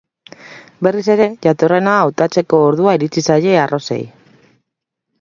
Berriz ere jatorrena hautatzeko ordua iritsi zaie arrosei.